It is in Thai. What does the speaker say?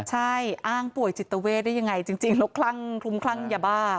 ใช่อ้างป่วยจิตเวทได้ยังไงจริงแล้วคลั่งคลุมคลั่งยาบ้า